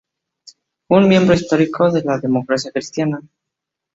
Fue un miembro histórico de la Democracia Cristiana.